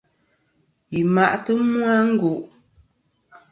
Yi ma'tɨ mu a ngu'.